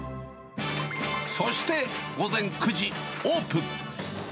そして午前９時オープン。